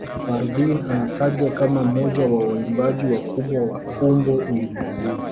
Parveen anatajwa kama mmoja wa waimbaji wakubwa wa fumbo ulimwenguni.